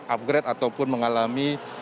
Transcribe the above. upgrade ataupun mengalami